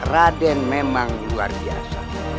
raden memang luar biasa